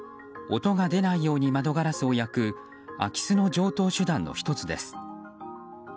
音が出ないように窓ガラスを焼く空き巣の常套手段の１つです。